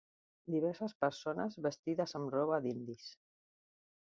Diverses persones vestides amb roba d'indis.